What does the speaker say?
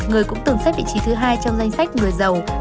người cũng từng xếp vị trí thứ hai trong danh sách người giàu